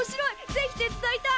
ぜひ手伝いたい！